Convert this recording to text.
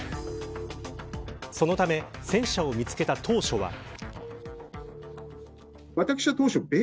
そのため戦車を見つけた当初は。